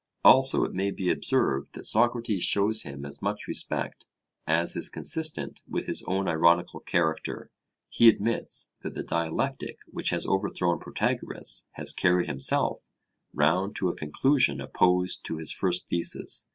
Also it may be observed that Socrates shows him as much respect as is consistent with his own ironical character; he admits that the dialectic which has overthrown Protagoras has carried himself round to a conclusion opposed to his first thesis.